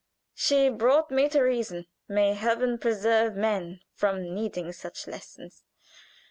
She brought me to reason. May Heaven preserve men from needing such lessons!